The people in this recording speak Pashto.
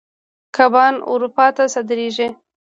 کبان اروپا ته صادرېدل.